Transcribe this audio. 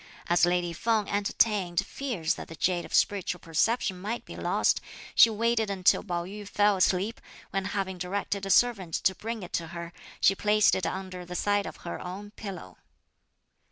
As lady Feng entertained fears that the jade of Spiritual Perception might be lost, she waited until Pao yü fell asleep, when having directed a servant to bring it to her, she placed it under the side of her own pillow.